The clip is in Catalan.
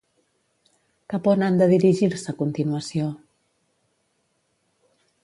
Cap on han de dirigir-se a continuació?